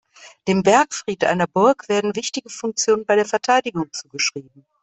Dem Bergfried einer Burg werden wichtige Funktionen bei der Verteidigung zugeschrieben.